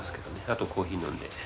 あとコーヒー飲んで。